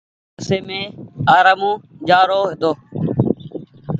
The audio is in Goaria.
بسي مين ارآمون جآرو هيتو۔